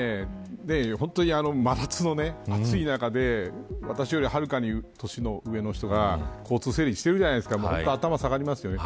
真夏の暑い中で私よりはるかに年上の人が交通整理しているじゃないですか頭が下がりますよね。